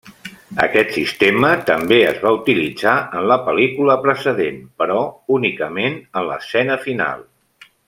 Aquest sistema també es va utilitzar en la pel·lícula precedent, però únicament en l'escena final.